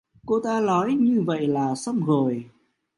Cô ta Nói như vậy là xong rồi